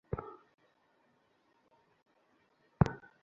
এতে ট্রেনটি লাইনচ্যুত না হয়ে বন্ধ হয়ে যায়।